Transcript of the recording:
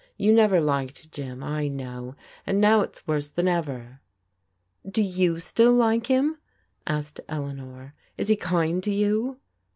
You never liked Jim, I know, and now it's worse than ever." " Do you still like him? " asked Eleanor. " Is he kind to you